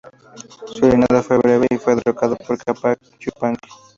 Su reinado fue breve y fue derrocado por Cápac Yupanqui.